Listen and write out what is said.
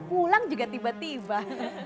pulang juga tiba tiba